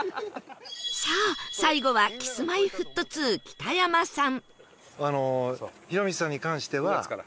さあ最後は Ｋｉｓ−Ｍｙ−Ｆｔ２ 北山さん